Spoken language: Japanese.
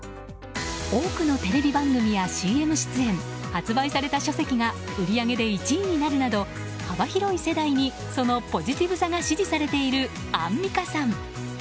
多くのテレビ番組やＣＭ出演発売された書籍が売り上げで１位になるなど幅広い世代にそのポジティブさが支持されているアンミカさん。